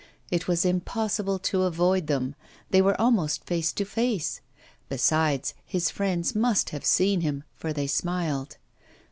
It was impossible to avoid them, they were almost face to face; besides, his friends must have seen him, for they smiled.